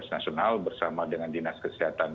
nasional bersama dengan dinas kesehatan